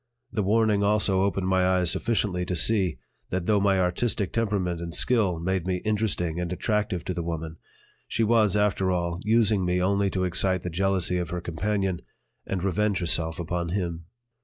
The warning also opened my eyes sufficiently to see that though my artistic temperament and skill made me interesting and attractive to the woman, she was, after all, using me only to excite the jealousy of her companion and revenge herself upon him.